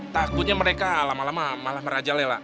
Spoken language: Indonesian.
takutnya mereka lama lama malah merajalela